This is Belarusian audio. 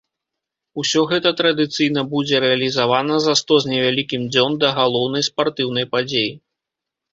Усё гэта традыцыйна будзе рэалізавана за сто з невялікім дзён да галоўнай спартыўнай падзеі.